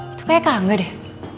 itu kayak kanga deh